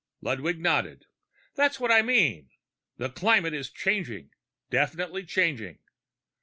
Ludwig nodded. "That's what I mean. The climate is changing, definitely changing.